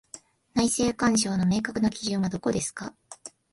内政干渉の明確な基準はどこですか？